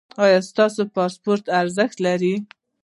ایا ستاسو پاسپورت به ارزښت ولري؟